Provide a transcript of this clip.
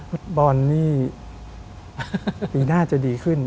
ฟุตบอลนี่ปีหน้าจะดีขึ้น